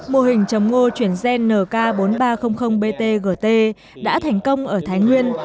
mô hình trồng ngô chuyển gen nk bốn nghìn ba trăm linh btgt đã thành công ở thái nguyên